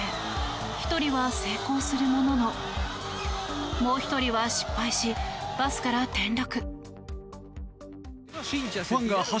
１人は成功するもののもう１人は失敗しバスから転落。